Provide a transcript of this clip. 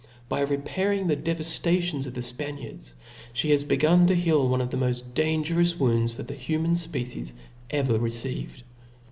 By re pairing the devaftations of the Spaniards, fhe has ' begun to heal one of the rnoft dangerous wounds that the human fpecies ever received.